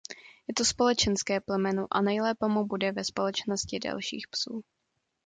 Je to společenské plemeno a nejlépe mu bude ve společnosti dalších psů.